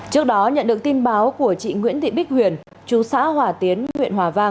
trước đó nhận được tin báo của chị nguyễn thị bích huyền chú xã hòa tiến huyện hòa vang